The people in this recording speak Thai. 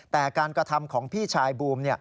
แต่การกระทำของพี่ชายบูม